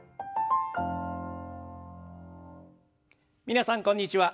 皆さんこんにちは。